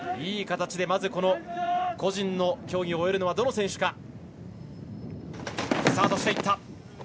いい形でまず個人の競技を終えるのはどの選手か。